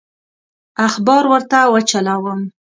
اخبار ورته وچلوم.